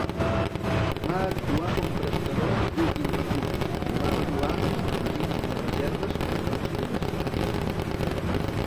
Va actuar com prestador d'últim recurs i va regular els requisits de reserves pels bancs comercials.